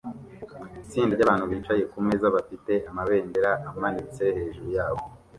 Itsinda ryabantu bicaye kumeza bafite amabendera amanitse hejuru yabo